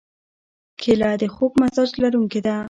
کېله د خوږ مزاج لرونکې ده.